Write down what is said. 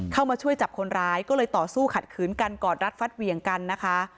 เข้ามาช่วยจับคนร้ายก็เลยต่อสู้ขัดขืนกันกอดรัดฟัดเหวี่ยงกันนะคะ